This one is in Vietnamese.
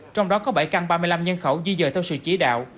trong đó có bảy căn ba mươi năm nhân khẩu di dời theo sự chỉ đạo